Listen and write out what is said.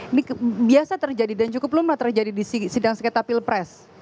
ini biasa terjadi dan cukup lumlah terjadi di sidang sekitar pilpres